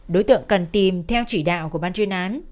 đối tượng cần tìm theo chỉ đạo của ban chuyên án